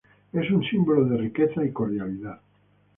Es un símbolo de riqueza y cordialidad.